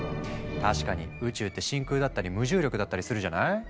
確かに宇宙って真空だったり無重力だったりするじゃない？